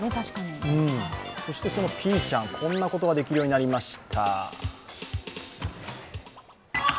そしてそのピーちゃんこんなことができるようになりました。